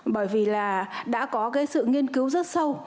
bởi vì là đã có cái sự nghiên cứu rất sâu